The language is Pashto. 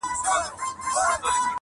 په قفس کي به ککړي درته کړمه -